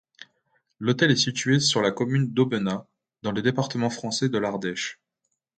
L'hôtel est situé sur la commune d'Aubenas, dans le département français de l'Ardèche.